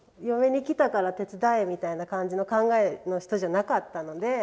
嫁にきたから手伝えみたいな感じの考えの人じゃなかったので。